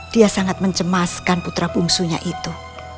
dia sangat mencemaskan putra bungsunya itu